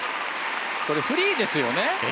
これ、フリーですよね。